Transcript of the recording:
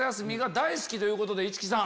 大好きということで市來さん。